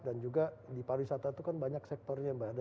dan juga di pariwisata itu kan banyak sektornya mbak ada tiga belas